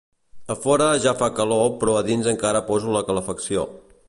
A fora ja fa calor però a dins encara poso la calefacció